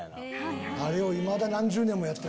あれをいまだ何十年もやってらっしゃる。